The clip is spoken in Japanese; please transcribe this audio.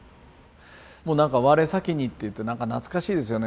もうなんか我先にっていってなんか懐かしいですよね